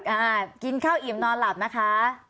อ่ากินข้าวอิ่มนอนหลับนะคะ